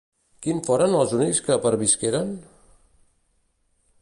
Quins foren els únics que pervisqueren?